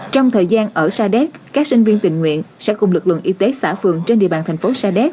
trong thời gian ở sa đéc các sinh viên tình nguyện sẽ cùng lực lượng y tế xã phường trên địa bàn thành phố sa đéc